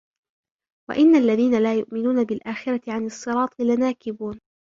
وَإِنَّ الَّذِينَ لَا يُؤْمِنُونَ بِالْآخِرَةِ عَنِ الصِّرَاطِ لَنَاكِبُونَ